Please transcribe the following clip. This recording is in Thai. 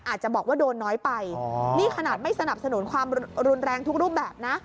อาจจะบอกว่าโดนน้อยไปนี่ขนาดไม่สนับสนุนความรุนแรงทุกรูปแบบนะ